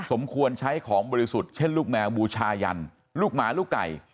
สมควรใช้ของบริสุทธิ์เช่นลูกแมวบูชายันลูกหมาลูกไก่